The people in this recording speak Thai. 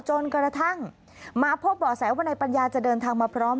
จนกระทั่งมาพบบ่อแสว่านายปัญญาจะเดินทางมาพร้อม